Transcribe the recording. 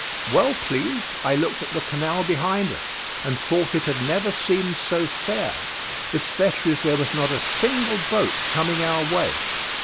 Well pleased I looked at the canal behind us, and thought it had never seemed so fair, especially as there was not a single boat coming our way.